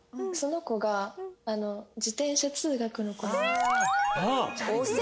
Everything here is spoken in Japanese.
その子が自転車通学の子で。